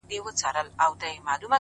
مثبت ذهن پر پرمختګ تمرکز کوي.!